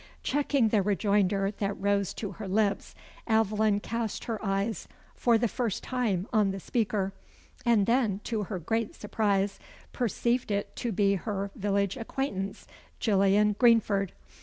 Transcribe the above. Checking the rejoinder that rose to her lips, Aveline cast her eyes, for the first time, on the speaker; and then, to her great surprise, perceived it to be her village acquaintance, Gillian Greenford.